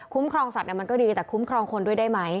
ครองสัตว์มันก็ดีแต่คุ้มครองคนด้วยได้ไหม